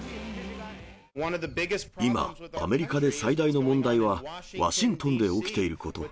今、アメリカで最大の問題はワシントンで起きていること。